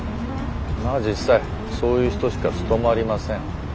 まあ実際そういう人しか務まりません。